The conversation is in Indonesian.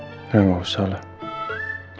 keliatannya nggak ngambek kok sama sekali